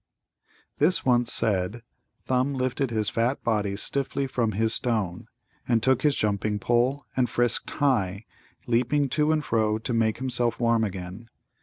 This once said, Thumb lifted his fat body stiffly from his stone, and took his jumping pole, and frisked high, leaping to and fro to make himself warm again.